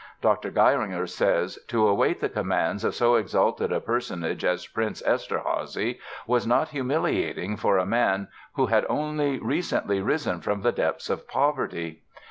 Dr. Geiringer says: "To await the commands of so exalted a personage as Prince Eszterházy ... was not humiliating for a man who had only recently risen from the depths of poverty."